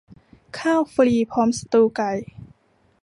ข้าวฟรีพร้อมสตูว์ไก่